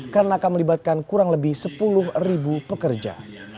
karena akan melibatkan kurang lebih sepuluh ribu pekerja